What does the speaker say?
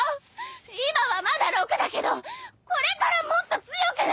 今はまだ陸だけどこれからもっと強くなって。